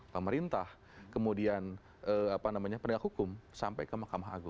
pemerintah kemudian penegak hukum sampai ke mahkamah agung